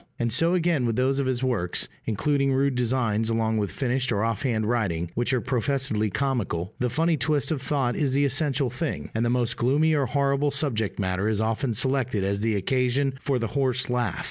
And so again with those of his works including rude designs along with finished or off hand writing which are professedly comical: the funny twist of thought is the essential thing, and the most gloomy or horrible subject matter is often selected as the occasion for the horse laugh.